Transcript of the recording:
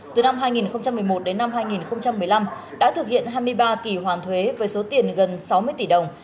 từ năm hai nghìn một mươi một đến năm hai nghìn một mươi năm đã thực hiện hai mươi ba kỳ hoàn thuế với số tiền gần sáu mươi tỷ đồng